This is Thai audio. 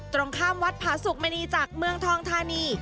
ตรงข้ามวัดผาสุกมณีจากเมืองทองธานี